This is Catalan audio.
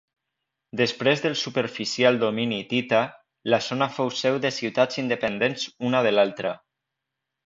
Després del superficial domini hitita la zona fou seu de ciutats independents una de l'altra.